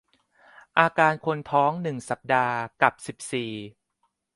อาการคนท้อง หนึ่ง สัปดาห์ กับ สิบสี่